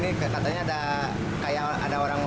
itu mengandang apa